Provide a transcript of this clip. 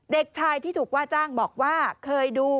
เด็กชายที่ถูกว่าจ้างบอกว่าเคยดู